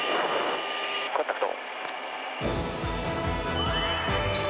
コンタクト。